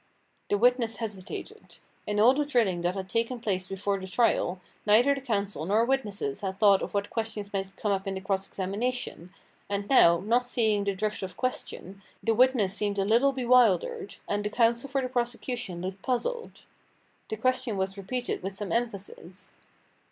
The witness hesitated. In all the drilling that had taken place before the trial, neither the counsel nor witnesses had thought of what questions might come up in the cross examination, and now, not seeing the drift of question, the witness seemed a little bewildered, and the counsel for the prosecution looked puzzled. The question was repeated with some emphasis.